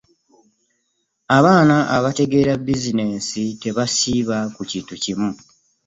Abaana abategeera bizineesi tebeesiba ku kintu kimu.